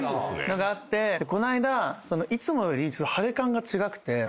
この間いつもより腫れ感が違くて。